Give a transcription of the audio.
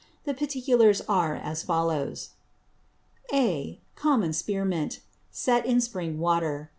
The Particulars are as follow. (A.) Common Spear Mint, set in Spring Water.